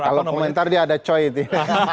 kalau komentar dia ada coy itu ya